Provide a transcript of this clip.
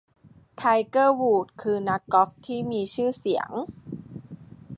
ไทเกอร์ วูดส์ คือนักกอล์ฟที่มีชื่อเสียง